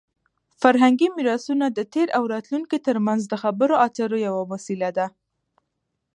فرهنګي میراثونه د تېر او راتلونکي ترمنځ د خبرو اترو یوه وسیله ده.